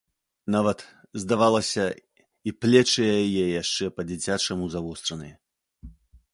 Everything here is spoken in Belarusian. Нават, здавалася, і плечы яе яшчэ па-дзіцячаму завостраны.